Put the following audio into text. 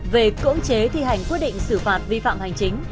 về cưỡng chế thi hành quyết định xử phạt vi phạm hành chính